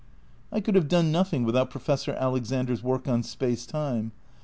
I could have done nothing without Professor Alexander's work on Space Time.